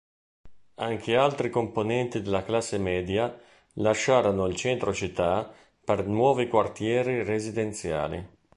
Anche altri componenti della classe media lasciarono il centro città per nuovi quartieri residenziali.